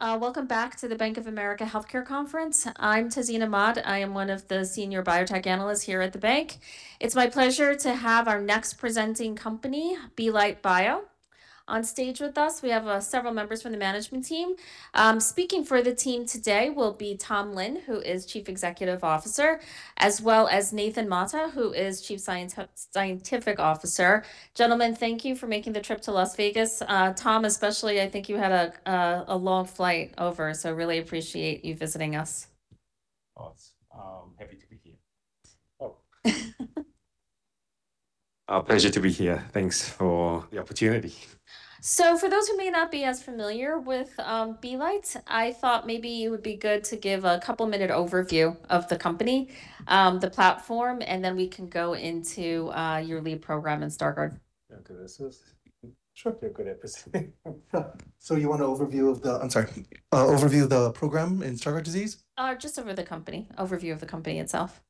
noon. Welcome back to the Bank of America Healthcare Conference. I'm Tazeen Ahmad. I am one of the senior biotech analysts here at the bank. It's my pleasure to have our next presenting company, Belite Bio, on stage with us. We have several members from the management team. Speaking for the team today will be Tom Lin, who is Chief Executive Officer, as well as Nathan Mata, who is Chief Scientific Officer. Gentlemen, thank you for making the trip to Las Vegas. Tom especially, I think you had a long flight over, so really appreciate you visiting us. Oh, it's happy to be here. Oh. Our pleasure to be here. Thanks for the opportunity. For those who may not be as familiar with Belite, I thought maybe it would be good to give a two-minute overview of the company, the platform, and then we can go into your lead program in Stargardt. Okay, this is Sure. You're good at presenting. You want an overview of the program in Stargardt disease? Just an overview of the company itself.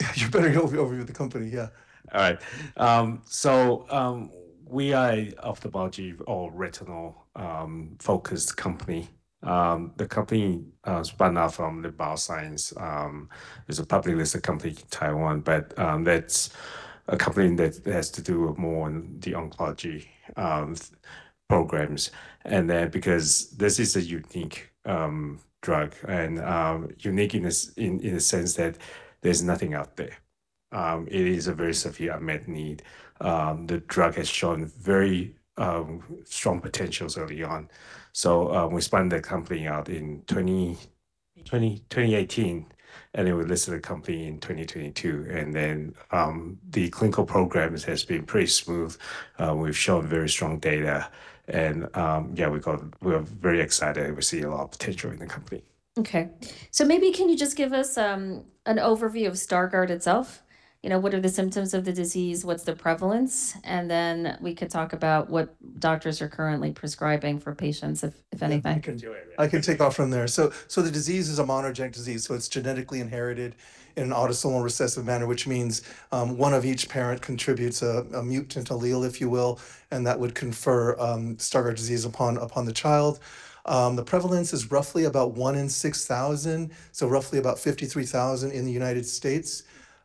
Yeah, you better go overview of the company, yeah. All right. We are ophthalmology or retinal focused company. The company spun out from Lin BioScience. It's a publicly listed company in Taiwan, that's a company that has to do more on the oncology programs. Because this is a unique drug, and uniqueness in the sense that there's nothing out there. It is a very severe med need. The drug has shown very strong potentials early on. We spun the company out in 2018, We listed the company in 2022. The clinical programs has been pretty smooth. We've shown very strong data. Yeah, we are very excited. We see a lot of potential in the company. Okay. Maybe can you just give us an overview of Stargardt itself? You know, what are the symptoms of the disease? What's the prevalence? We could talk about what doctors are currently prescribing for patients if any of that. I can do it, yeah. I can take off from there. The disease is a monogenic disease, so it's genetically inherited in an autosomal recessive manner, which means one of each parent contributes a mutant allele, if you will, and that would confer Stargardt disease upon the child. The prevalence is roughly about one in 6,000, so roughly about 53,000 in the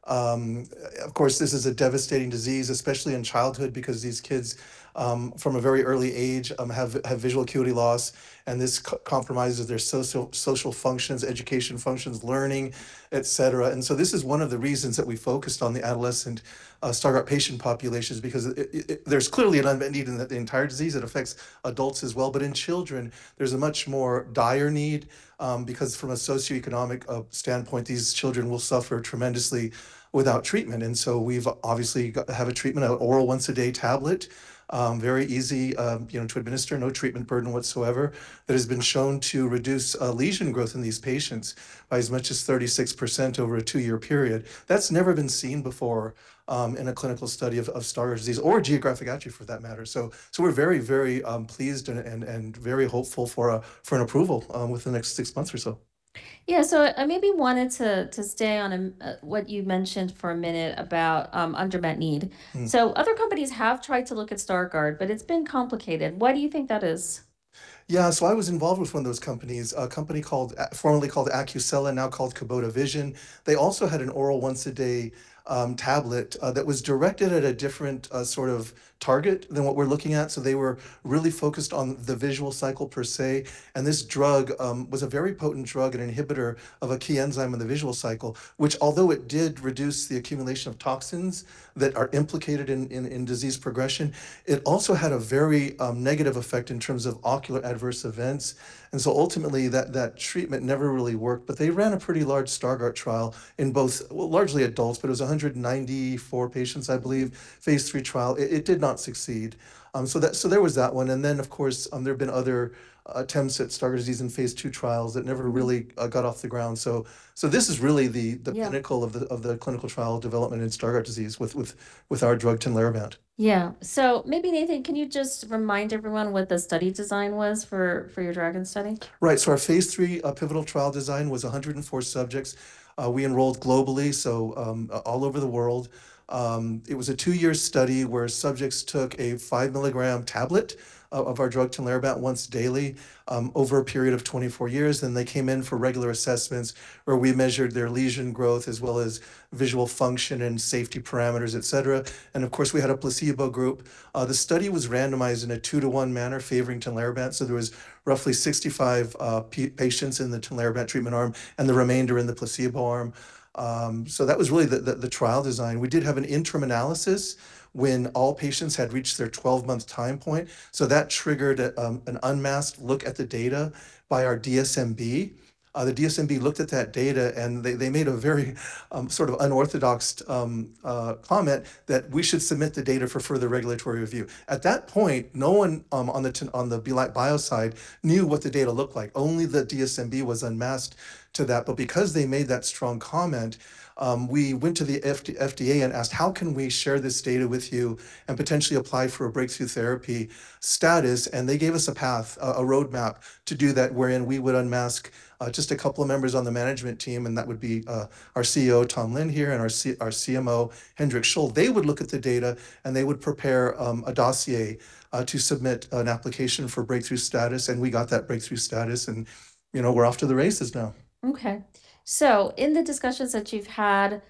U.S. Of course, this is a devastating disease, especially in childhood, because these kids from a very early age have visual acuity loss, and this compromises their social functions, education functions, learning, et cetera. This is one of the reasons that we focused on the adolescent Stargardt patient populations, because there's clearly an unmet need in the entire disease. It affects adults as well. In children, there's a much more dire need, because from a socioeconomic standpoint, these children will suffer tremendously without treatment. We've obviously have a treatment, a oral once-a-day tablet. Very easy, you know, to administer. No treatment burden whatsoever, that has been shown to reduce lesion growth in these patients by as much as 36% over a two-year period. That's never been seen before, in a clinical study of Stargardt disease or geographic atrophy for that matter. We're very pleased and very hopeful for an approval within the next 6 months or so. I maybe wanted to stay on what you mentioned for a minute about unmet need. Other companies have tried to look at Stargardt, but it's been complicated. Why do you think that is? Yeah. I was involved with one of those companies, a company called, formerly called Acucela, now called Kubota Vision. They also had an oral once-a-day tablet that was directed at a different sort of target than what we're looking at. They were really focused on the visual cycle per se. This drug was a very potent drug, an inhibitor of a key enzyme in the visual cycle, which although it did reduce the accumulation of toxins that are implicated in disease progression, it also had a very negative effect in terms of ocular adverse events. Ultimately that treatment never really worked. They ran a pretty large Stargardt trial in both, well, largely adults, but it was 194 patients, I believe, phase III trial. It did not succeed. There was that one. Then of course, there have been other attempts at Stargardt disease in phase II trials. got off the ground. Yeah pinnacle of the clinical trial development in Stargardt disease with our drug tinlarebant. Yeah. Maybe Nathan, can you just remind everyone what the study design was for your DRAGON study? Right. Our phase III pivotal trial design was 104 subjects. We enrolled globally, all over the world. It was a two-year study where subjects took a 5 mg tablet of our drug tinlarebant once daily, over a period of 24 years. They came in for regular assessments where we measured their lesion growth as well as visual function and safety parameters, et cetera. Of course, we had a placebo group. The study was randomized in a 2-to-1 manner favoring tinlarebant. There was roughly 65 patients in the tinlarebant treatment arm, and the remainder in the placebo arm. That was really the trial design. We did have an interim analysis when all patients had reached their 12-month time point. That triggered an unmasked look at the data by our DSMB. The DSMB looked at that data, and they made a very sort of unorthodox comment that we should submit the data for further regulatory review. At that point, no one on the Belite Bio side knew what the data looked like. Only the DSMB was unmasked to that. Because they made that strong comment, we went to the FDA and asked, "How can we share this data with you and potentially apply for a Breakthrough Therapy status?" They gave us a path, a roadmap to do that wherein we would unmask just a couple of members on the management team, and that would be our CEO, Tom Lin here, and our CMO, Hendrik Scholl. They would look at the data, and they would prepare a dossier to submit an application for Breakthrough Status. We got that Breakthrough Status. You know, we're off to the races now. Okay. In the discussions that you've had,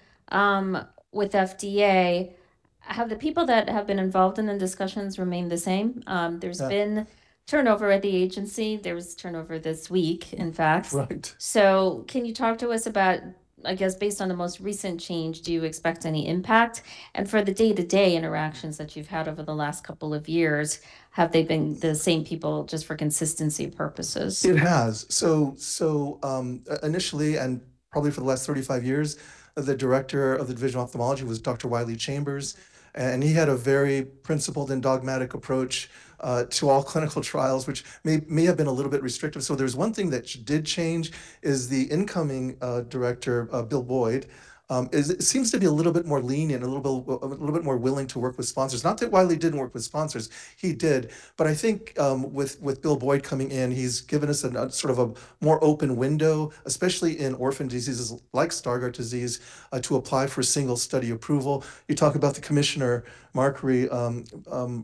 with FDA. Have the people that have been involved in the discussions remained the same? Yeah There's been turnover at the agency. There was turnover this week, in fact. Right. Can you talk to us about, I guess, based on the most recent change, do you expect any impact? For the day-to-day interactions that you've had over the last couple of years, have they been the same people just for consistency purposes? It has. Initially, and probably for the last 35 years, the Director of the Division of Ophthalmology was Dr. Wiley Chambers, and he had a very principled and dogmatic approach to all clinical trials, which may have been a little bit restrictive. There's one thing that did change is the incoming Director, William Boyd, it seems to be a little bit more lenient, a little bit more willing to work with sponsors. Not that Wiley didn't work with sponsors. He did. I think with William Boyd coming in, he's given us sort of a more open window, especially in orphan diseases like Stargardt disease, to apply for single study approval. You talk about the Commissioner Makary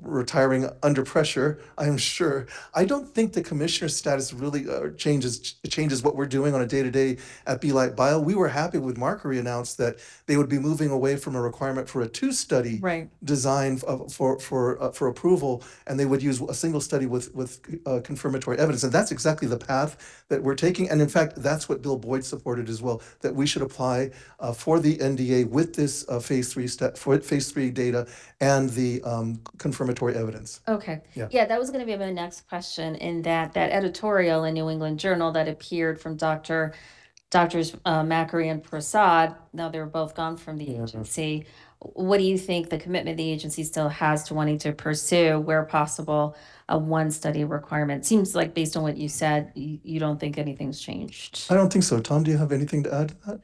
retiring under pressure, I'm sure. I don't think the commissioner status really changes what we're doing on a day-to-day at Belite Bio. We were happy when Makary announced that they would be moving away from a requirement for a two study— Right —design of, for approval, and they would use a single study with confirmatory evidence, and that's exactly the path that we're taking. In fact, that's what William Boyd supported as well, that we should apply for the NDA with this phase III data and the confirmatory evidence. Okay. Yeah. Yeah, that was gonna be my next question in that that editorial in New England Journal that appeared from Doctors Makary and Prasad. They're both gone from the agency. What do you think the commitment the agency still has to wanting to pursue, where possible, a one study requirement? Seems like based on what you said, you don't think anything's changed. I don't think so. Tom, do you have anything to add to that?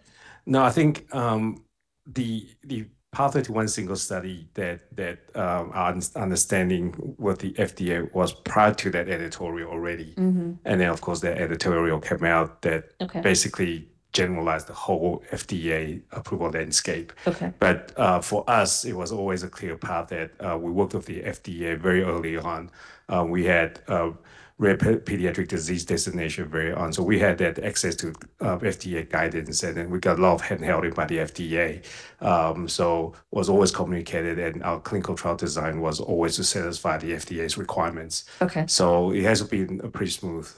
I think the path that one single study that understanding what the FDA was prior to that editorial already. Of course, the editorial came out that— Okay —basically generalized the whole FDA approval landscape. Okay. For us, it was always a clear path that we worked with the FDA very early on. We had Rare Pediatric Disease designation very on. We had that access to FDA guidance, and then we got a lot of hand-holding by the FDA. It was always communicated, and our clinical trial design was always to satisfy the FDA's requirements. Okay. It has been a pretty smooth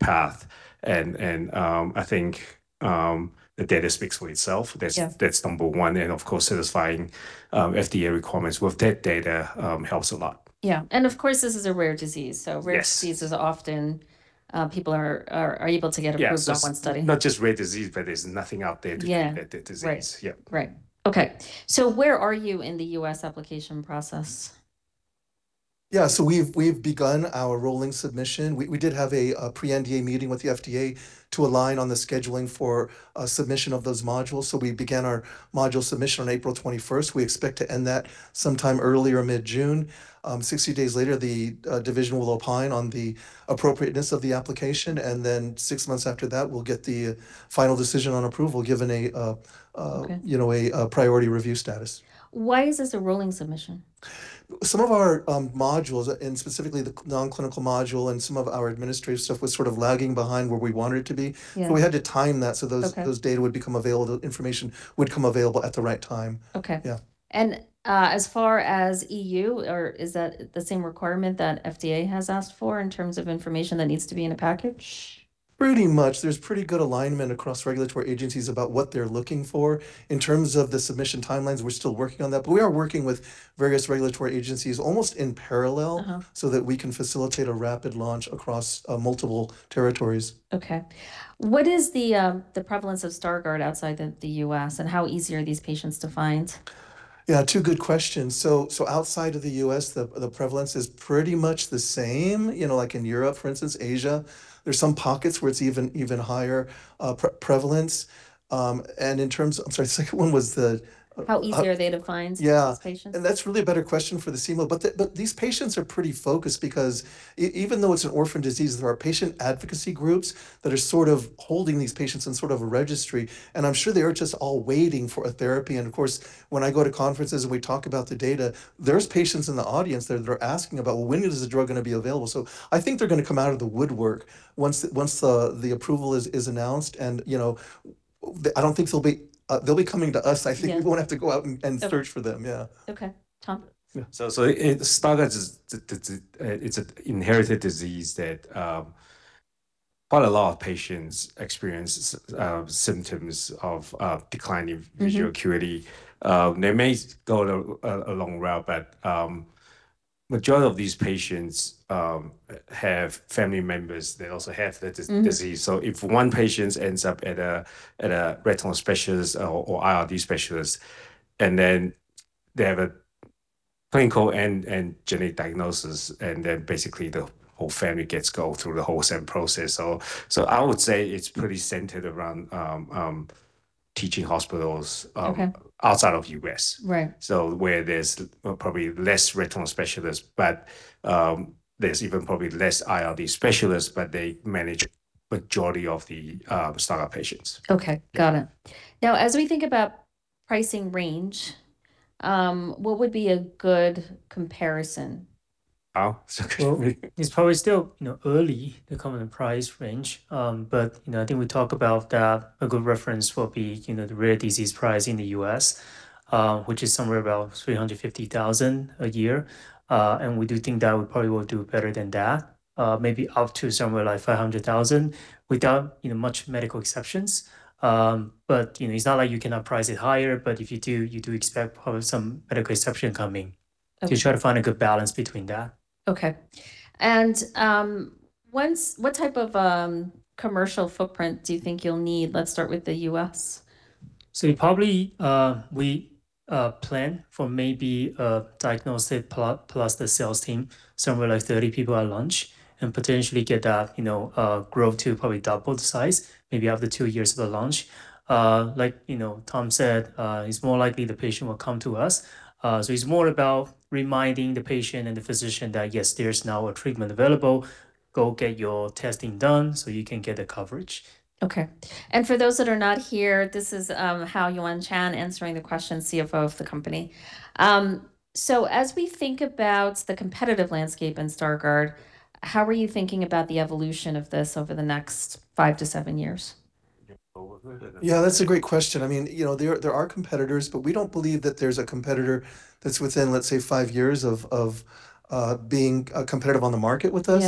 path, and I think the data speaks for itself. Yeah That's number one, and of course, satisfying FDA requirements with that data, helps a lot. Yeah. Of course, this is a rare disease. Yes Rare diseases often, people are able to get approved— Yeah, so. —on one study. Not just rare disease, but there's nothing out there to treat— Yeah —the disease. Right. Yeah. Right. Okay. Where are you in the U.S. application process? Yeah. We've begun our rolling submission. We did have a pre-NDA meeting with the FDA to align on the scheduling for a submission of those modules. We began our module submission on April 21st. We expect to end that sometime early or mid-June. 60 days later, the division will opine on the appropriateness of the application, and then six months after that, we'll get the final decision on approval. Okay you know, a, Priority Review status. Why is this a rolling submission? Some of our modules, and specifically the non-clinical module and some of our administrative stuff, was sort of lagging behind where we wanted it to be. Yeah. We had to time that. Okay those data would become available, information would become available at the right time. Okay. Yeah. As far as EU, or is that the same requirement that FDA has asked for in terms of information that needs to be in a package? Pretty much. There's pretty good alignment across regulatory agencies about what they're looking for. In terms of the submission timelines, we're still working on that. We are working with various regulatory agencies almost in parallel. That we can facilitate a rapid launch across multiple territories. Okay. What is the prevalence of Stargardt outside the U.S., and how easy are these patients to find? Yeah, two good questions. Outside of the U.S., the prevalence is pretty much the same. You know, like in Europe, for instance, Asia, there's some pockets where it's even higher prevalence. How easy are they to find— Yeah —these patients? That's really a better question for the CMO. These patients are pretty focused because even though it's an orphan disease, there are patient advocacy groups that are sort of holding these patients in sort of a registry. I'm sure they are just all waiting for a therapy. Of course, when I go to conferences and we talk about the data, there's patients in the audience that are asking about when is the drug gonna be available. I think they're gonna come out of the woodwork once the approval is announced. You know, I don't think they'll be coming to us. Yeah. I think we won't have to go out and search for them. Okay. Yeah. Okay. Tom? Yeah. Stargardt's is, it's a inherited disease that quite a lot of patients experience symptoms of declining. visual acuity. They may go a long route, but majority of these patients have family members that also have the disease. If one patients ends up at a retinal specialist or IRD specialist, and then they have a clinical and genetic diagnosis, and then basically the whole family gets go through the whole same process. I would say it's pretty centered around teaching hospitals— Okay —outside of U.S— Right. —where there's probably less retinal specialists, but there's even probably less IRD specialists, but they manage majority of the Stargardt patients. Okay. Got it. Now, as we think about pricing range, what would be a good comparison? Wow. Well, it's probably still, you know, early to come up with a price range. I think we talk about that a good reference will be, you know, the rare disease price in the U.S., which is somewhere about $350,000 a year. We do think that we probably will do better than that, maybe up to somewhere like $500,000 without, you know, much medical exceptions. It's not like you cannot price it higher, but if you do, you do expect probably some medical exception coming. Okay. You try to find a good balance between that. Okay. What type of commercial footprint do you think you'll need? Let's start with the U.S. Probably, we plan for maybe a diagnostic plus the sales team, somewhere like 30 people at launch, potentially get that, you know, grow to probably double the size maybe after two years of the launch. Like, you know, Tom said, it's more likely the patient will come to us. It's more about reminding the patient and the physician that, yes, there's now a treatment available. Go get your testing done so you can get the coverage. Okay. For those that are not here, this is Hao-Yuan Chuang answering the question, CFO of the company. As we think about the competitive landscape in Stargardt, how are you thinking about the evolution of this over the next five to seven years? Yeah, that's a great question. I mean, you know, there are competitors, but we don't believe that there's a competitor that's within, let's say, five years of being competitive on the market with us.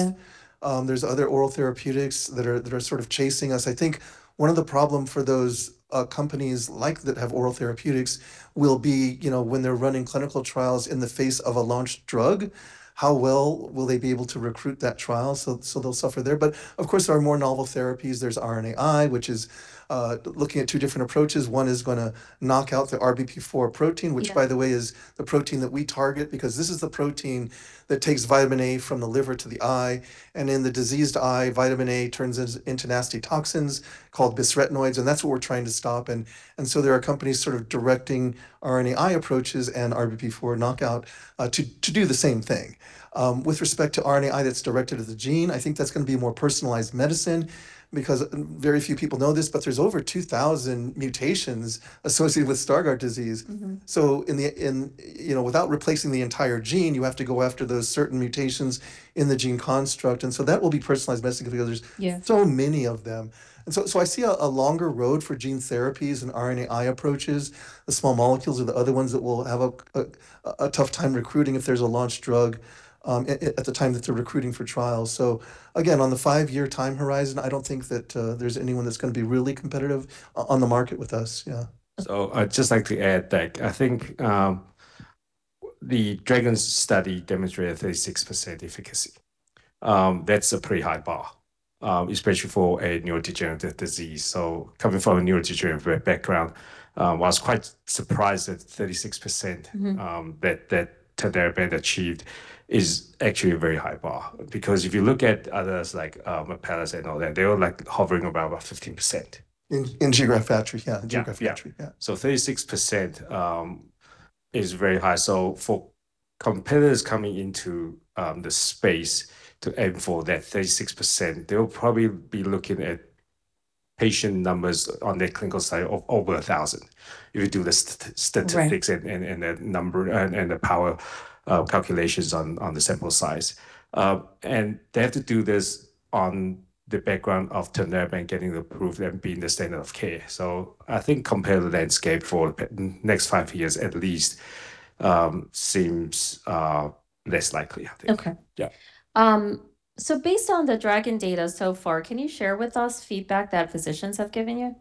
Yeah. There's other oral therapeutics that are sort of chasing us. I think one of the problem for those companies like that have oral therapeutics will be, you know, when they're running clinical trials in the face of a launched drug, how well will they be able to recruit that trial? They'll suffer there. Of course, there are more novel therapies. There's RNAi, which is looking at two different approaches. One is gonna knock out the RBP4 protein. Yeah which by the way, is the protein that we target, because this is the protein that takes vitamin A from the liver to the eye, and in the diseased eye, vitamin A turns as, into nasty toxins called bisretinoids, and that's what we're trying to stop. There are companies sort of directing RNAi approaches and RBP4 knockout to do the same thing. With respect to RNAi that's directed at the gene, I think that's gonna be more personalized medicine because, very few people know this, but there's over 2,000 mutations associated with Stargardt disease. In the—you know, without replacing the entire gene, you have to go after those certain mutations in the gene construct, that will be personalized medicine because there's— Yeah. —so many of them. I see a longer road for gene therapies and RNAi approaches. The small molecules are the other ones that will have a tough time recruiting if there's a launched drug at the time that they are recruiting for trials. Again, on the five-year time horizon, I don't think that there's anyone that's gonna be really competitive on the market with us. Yeah. I'd just like to add that I think the DRAGON study demonstrated 36% efficacy. That's a pretty high bar, especially for a neurodegenerative disease. Coming from a neurodegenerative background, I was quite surprised at 36%. That tinlarebant achieved is actually a very high bar. If you look at others like Apellis and all that, they were like hovering around about 15%. In geographic atrophy, yeah. Yeah. In geographic atrophy. Yeah. 36% is very high. For competitors coming into the space to aim for that 36%, they'll probably be looking at patient numbers on their clinical side of over 1,000 if you do the statistics. Right That number and the power calculations on the sample size. They have to do this on the background of tinlarebant getting approved and being the standard of care. I think competitive landscape for next five years at least, seems less likely, I think. Okay. Yeah. Based on the DRAGON data so far, can you share with us feedback that physicians have given you?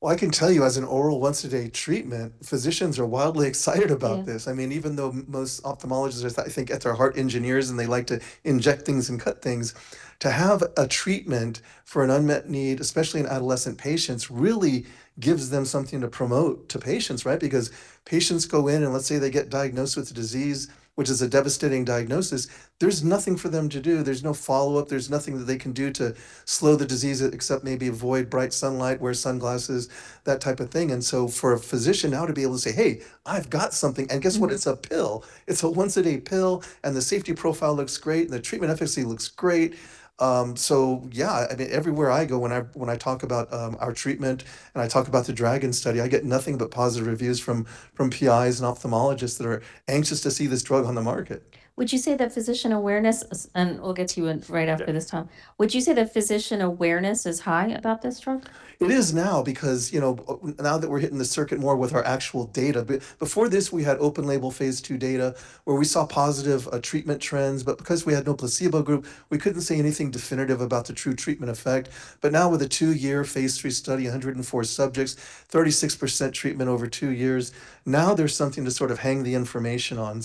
Well, I can tell you as an oral once a day treatment, physicians are wildly excited about this. Yeah. I mean, even though most ophthalmologists are I think at their heart engineers and they like to inject things and cut things. To have a treatment for an unmet need, especially in adolescent patients, really gives them something to promote to patients, right? Because patients go in, and let's say they get diagnosed with the disease, which is a devastating diagnosis, there's nothing for them to do. There's no follow-up. There's nothing that they can do to slow the disease except maybe avoid bright sunlight, wear sunglasses, that type of thing. For a physician now to be able to say, "Hey, I've got something. Guess what? It's a pill. It's a once a day pill, and the safety profile looks great, and the treatment efficacy looks great. Yeah, I mean, everywhere I go, when I talk about our treatment and I talk about the DRAGON study, I get nothing but positive reviews from PIs and ophthalmologists that are anxious to see this drug on the market. Would you say that physician awareness is. We'll get to you in, right after this, Tom. Yeah. Would you say that physician awareness is high about this drug? It is now because, you know, now that we're hitting the circuit more with our actual data. Before this, we had open label phase II data where we saw positive treatment trends. Because we had no placebo group, we couldn't say anything definitive about the true treatment effect. Now with a two-year phase III study, 104 subjects, 36% treatment over two years, there's something to sort of hang the information on.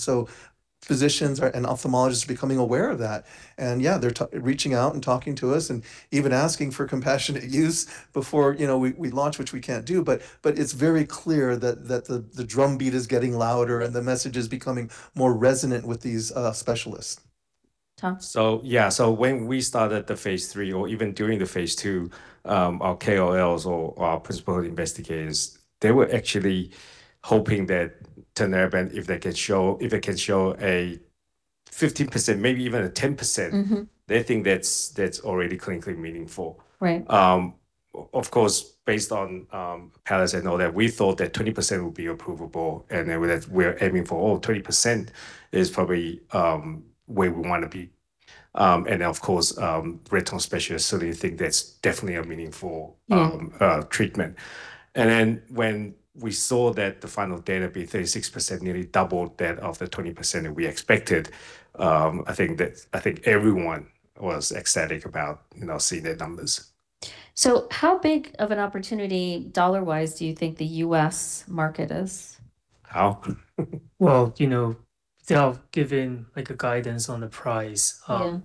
Physicians are, and ophthalmologists are becoming aware of that. Yeah, they're reaching out and talking to us and even asking for compassionate use before, you know, we launch, which we can't do. It's very clear that the drumbeat is getting louder and the message is becoming more resonant with these specialists. Tom? Yeah. When we started the phase III or even during the phase II, our KOLs or our principal investigators, they were actually hoping that tinlarebant, if they could show, if it can show a 15%, maybe even a 10%, they think that's already clinically meaningful. Right. Of course, based on panels and all that, we thought that 20% would be approvable, and then with that, we're aiming for all 20% is probably where we want to be. Of course, retinal specialist certainly think that's definitely a meaningful treatment. When we saw that the final data be 36%, nearly double that of the 20% that we expected, everyone was ecstatic about, you know, seeing their numbers. How big of an opportunity dollar-wise do you think the U.S. market is? How? Well, you know, they have given, like, a guidance on the price. Yeah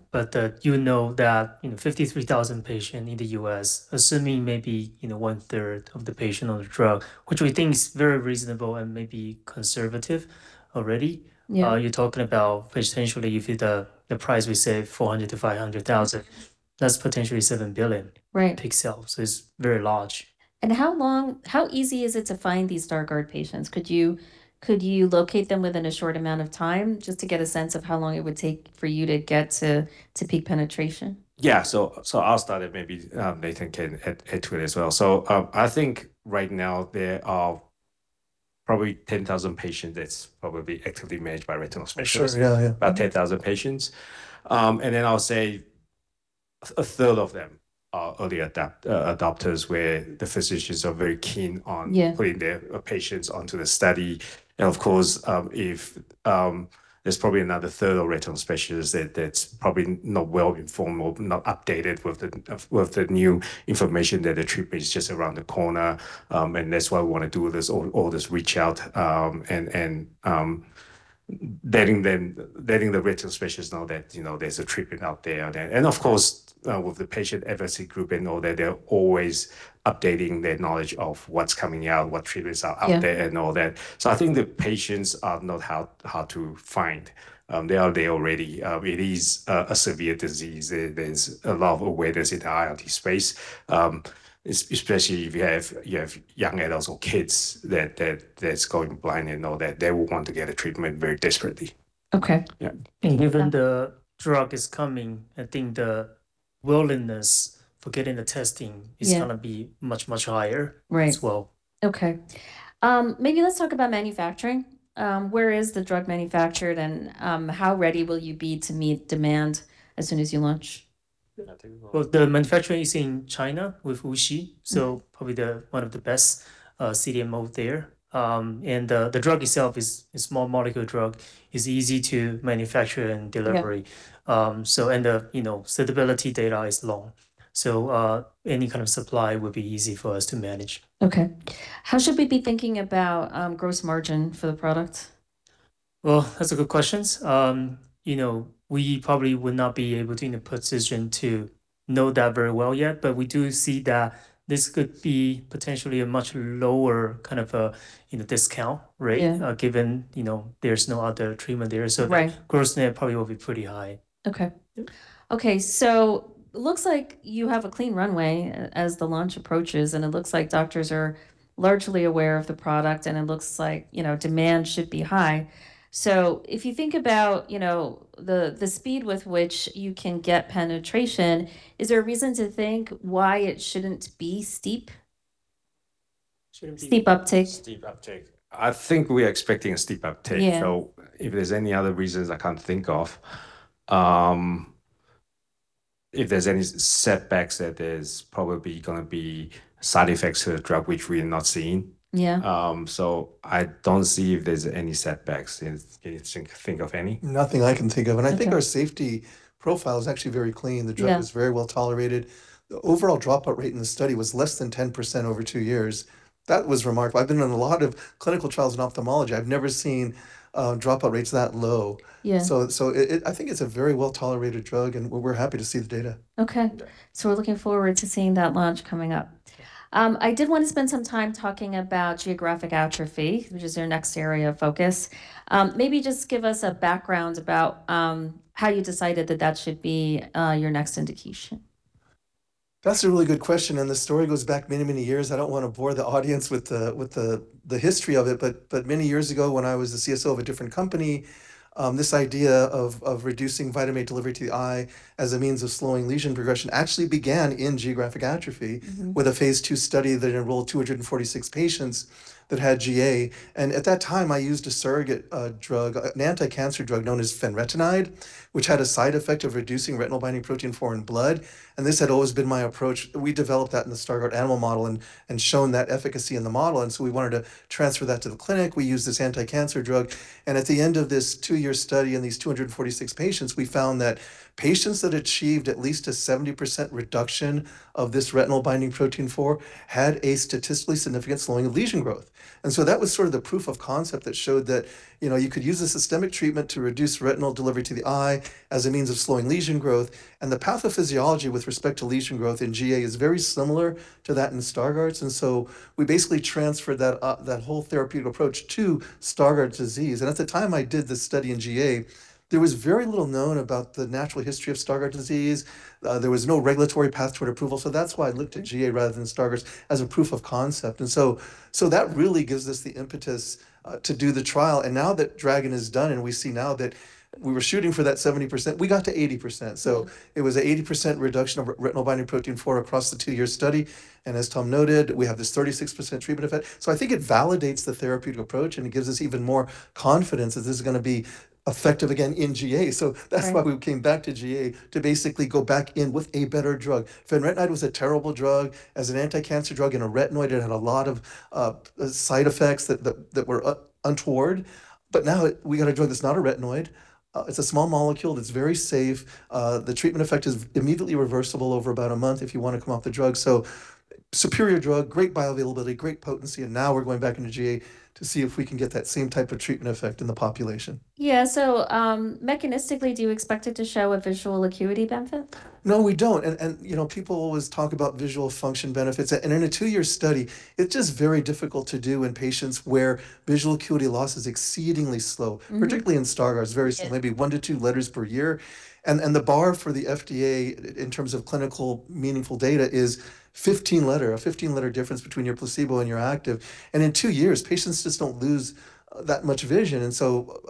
You know that, you know, 53,000 patient in the U.S., assuming maybe, you know, one-third of the patient on the drug, which we think is very reasonable and maybe conservative already. Yeah. You're talking about potentially if it, the price we say $400,000-$500,000, that's potentially $7 billion— Right —peak sales. It's very large. How easy is it to find these Stargardt patients? Could you locate them within a short amount of time, just to get a sense of how long it would take for you to get to peak penetration? Yeah. I'll start it. Maybe Nathan can add to it as well. I think right now there are probably 10,000 patient that's probably actively managed by retinal specialists. For sure. Yeah. About 10,000 patients. I'll say a third of them are early adopters where the physicians are very keen on— Yeah. —putting their patients onto the study. Of course, there's probably another third of retinal specialists that's probably not well informed or not updated with the new information that the treatment is just around the corner. That's why we wanna do all this reach out and letting the retinal specialists know that, you know, there's a treatment out there. Right Of course, with the patient advocacy group and all that, they're always updating their knowledge of what's coming out, what treatments are out there— Yeah. —and all that. I think the patients are not hard to find. They are there already. It is a severe disease. There's a lot of awareness in the IRD space. Especially if you have young adults or kids that's going blind and all that. They will want to get a treatment very desperately. Okay. Yeah. Given the drug is coming, I think the willingness for getting the testing— Yeah. —is going to be much, much higher— Right. —as well. Okay. Maybe let's talk about manufacturing. Where is the drug manufactured, and how ready will you be to meet demand as soon as you launch? Well, the manufacturing is in China with WuXi. Probably the one of the best CDMO there. The drug itself is small molecule drug, is easy to manufacture and delivery. Yeah. The, you know, stability data is long. Any kind of supply would be easy for us to manage. Okay. How should we be thinking about gross margin for the product? Well, that's a good questions. You know, we probably would not be able to, in a position to know that very well yet. We do see that this could be potentially a much lower kind of a, you know, discount rate— Yeah —given, you know, there's no other treatment there so Right —gross net probably will be pretty high. Okay. Yeah. Okay. Looks like you have a clean runway as the launch approaches, it looks like doctors are largely aware of the product, it looks like, you know, demand should be high. If you think about, you know, the speed with which you can get penetration, is there a reason to think why it shouldn't be steep? Shouldn't be— Steep uptake. Steep uptake. I think we're expecting a steep uptake. Yeah. If there's any other reasons I can't think of. If there's any setbacks, that there's probably gonna be side effects to the drug which we're not seeing. Yeah. I don't see if there's any setbacks. Can you think of any? Nothing I can think of. Okay. I think our safety profile is actually very clean. Yeah. The drug is very well-tolerated. The overall dropout rate in the study was less than 10% over two years. That was remarkable. I've been on a lot of clinical trials in ophthalmology. I've never seen dropout rates that low. Yeah. I think it's a very well-tolerated drug, and we're happy to see the data. Okay. Yeah. We're looking forward to seeing that launch coming up. I did wanna spend some time talking about geographic atrophy, which is your next area of focus. Maybe just give us a background about how you decided that that should be your next indication. That's a really good question, the story goes back many years. I don't wanna bore the audience with the history of it. Many years ago, when I was the CSO of a different company, this idea of reducing vitamin A delivery to the eye as a means of slowing lesion progression actually began in geographic atrophy. with a phase II study that enrolled 246 patients that had GA. At that time, I used a surrogate drug, an anti-cancer drug known as fenretinide, which had a side effect of reducing Retinol binding protein 4 in blood, and this had always been my approach. We developed that in the Stargardt disease animal model and shown that efficacy in the model, and so we wanted to transfer that to the clinic. We used this anti-cancer drug. At the end of this two-year study in these 246 patients, we found that patients that achieved at least a 70% reduction of this Retinol binding protein 4 had a statistically significant slowing of lesion growth. That was sort of the proof of concept that showed that, you know, you could use a systemic treatment to reduce retinal delivery to the eye as a means of slowing lesion growth. The pathophysiology with respect to lesion growth in GA is very similar to that in Stargardts. We basically transferred that whole therapeutic approach to Stargardt disease. At the time I did this study in GA, there was very little known about the natural history of Stargardt disease. There was no regulatory path toward approval, so that's why I looked at GA rather than Stargardts as a proof of concept. So that really gives us the impetus to do the trial. Now that DRAGON is done, and we see now that we were shooting for that 70%. We got to 80%. It was a 80% reduction of Retinol binding protein 4 across the two-year study. As Tom noted, we have this 36% treatment effect. I think it validates the therapeutic approach, and it gives us even more confidence that this is gonna be effective again in GA so that's— Right. —why we came back to GA, to basically go back in with a better drug. fenretinide was a terrible drug. As an anti-cancer drug and a retinoid, it had a lot of side effects that were untoward. Now we got a drug that's not a retinoid. It's a small molecule that's very safe. The treatment effect is immediately reversible over about a month if you wanna come off the drug. Superior drug, great bioavailability, great potency, and now we're going back into GA to see if we can get that same type of treatment effect in the population. Yeah. mechanistically, do you expect it to show a visual acuity benefit? No, we don't. You know, people always talk about visual function benefits. In a two-year study, it's just very difficult to do in patients where visual acuity loss is exceedingly slow particularly in Stargardt's. Very—maybe one to two letters per year. The bar for the FDA in terms of clinical meaningful data is 15 letter, a 15-letter difference between your placebo and your active. In two years, patients just don't lose that much vision.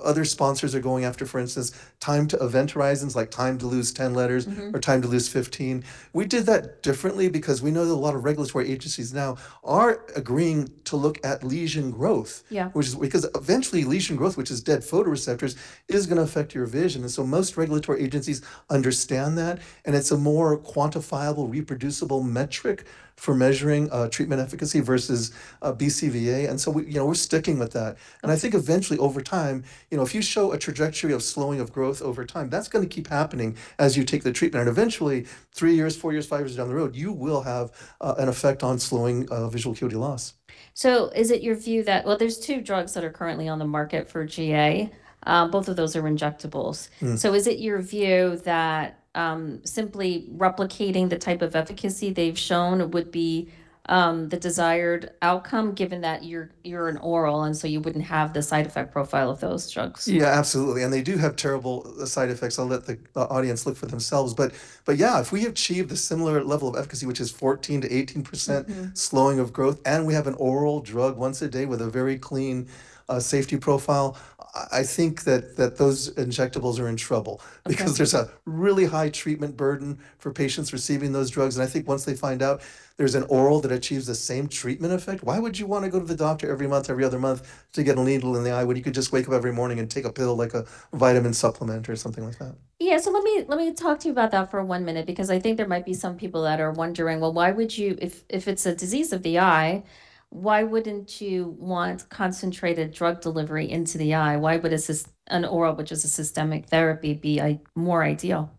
Other sponsors are going after, for instance, time to event horizons, like time to lose 10 letters time to lose 15. We did that differently because we know that a lot of regulatory agencies now are agreeing to look at lesion growth— Yeah. —which is because eventually lesion growth, which is dead photoreceptors, is gonna affect your vision. Most regulatory agencies understand that, and it's a more quantifiable, reproducible metric for measuring treatment efficacy versus BCVA. We, you know, we're sticking with that. I think eventually over time, you know, if you show a trajectory of slowing of growth over time, that's gonna keep happening as you take the treatment. Eventually, three years, four years, five years down the road, you will have an effect on slowing visual acuity loss. Is it your view that Well, there's two drugs that are currently on the market for GA. Both of those are injectables. Is it your view that simply replicating the type of efficacy they've shown would be the desired outcome given that you're an oral, and so you wouldn't have the side effect profile of those drugs? Yeah, absolutely. They do have terrible side effects. I'll let the audience look for themselves. Yeah, if we achieve the similar level of efficacy, which is 14%-18%. slowing of growth, and we have an oral drug once a day with a very clean, safety profile, I think that those injectables are in trouble. Okay. Because there's a really high treatment burden for patients receiving those drugs. I think once they find out there's an oral that achieves the same treatment effect, why would you wanna go to the doctor every month, every other month to get a needle in the eye when you could just wake up every morning and take a pill like a vitamin supplement or something like that? Yeah. Let me talk to you about that for one minute because I think there might be some people that are wondering, "Well, why would you If it's a disease of the eye, why wouldn't you want concentrated drug delivery into the eye? Why would an oral, which is a systemic therapy, be more ideal?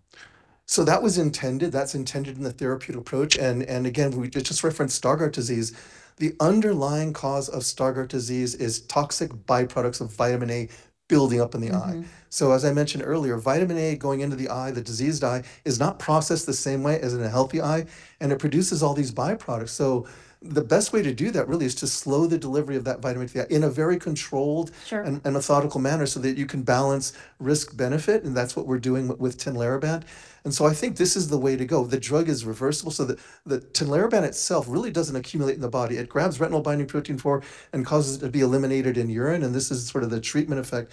That was intended. That's intended in the therapeutic approach. Again, we just referenced Stargardt disease. The underlying cause of Stargardt disease is toxic byproducts of vitamin A building up in the eye. As I mentioned earlier, vitamin A going into the eye, the diseased eye, is not processed the same way as in a healthy eye, and it produces all these byproducts. The best way to do that really is to slow the delivery of that vitamin to the eye in a very controlled— Sure. —and methodical manner so that you can balance risk-benefit, and that's what we're doing with tinlarebant. I think this is the way to go. The drug is reversible so that the tinlarebant itself really doesn't accumulate in the body. It grabs Retinol binding protein 4 and causes it to be eliminated in urine, and this is sort of the treatment effect.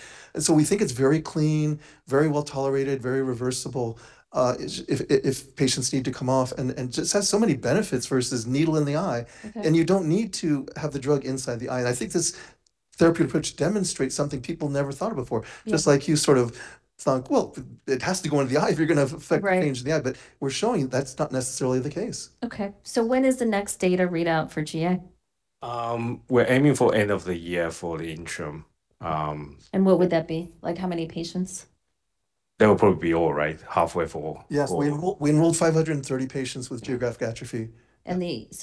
We think it's very clean, very well-tolerated, very reversible, if patients need to come off, and just has so many benefits versus needle in the eye. Okay. You don't need to have the drug inside the eye. I think this therapeutic approach demonstrates something people never thought of before. Yeah. Just like you sort of think, Well, it has to go into the eye if you're gonna— Right —or change the eye." We're showing that's not necessarily the case. Okay. When is the next data readout for GA? We're aiming for end of the year for the interim. What would that be? Like how many patients? That would probably be all, right? Yes. Oh We enrolled 530 patients with geographic atrophy.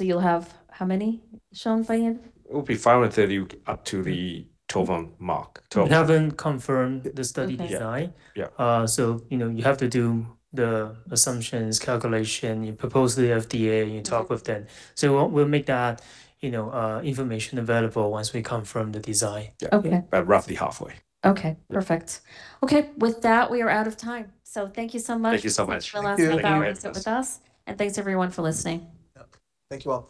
You'll have how many, Hao-Yuan Chuang? It'll be $530 up to the 12-month mark. We haven't confirmed the study design. Okay. Yeah. You know, you have to do the assumptions calculation. You propose to the FDA, you talk with them. We'll make that, you know, information available once we confirm the design. Yeah. Okay. Roughly halfway. Okay. Perfect. Okay. With that, we are out of time. Thank you so much— Thank you so much. —for the last half hour— Thank you. —to sit with us. Thanks everyone for listening. Yep. Thank you all.